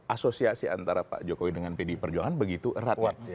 asosiasi antara pak jokowi dengan pdi perjuangan begitu erat